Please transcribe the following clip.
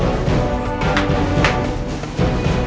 astri kamu tidur sama karlanya